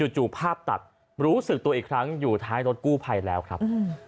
จู่ภาพตัดรู้สึกตัวอีกครั้งอยู่ท้ายรถกู้ภัยแล้วครับ